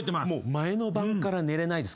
前の晩から寝れないです。